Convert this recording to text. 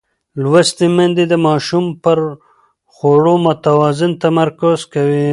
لوستې میندې د ماشوم پر خوړو متوازن تمرکز کوي.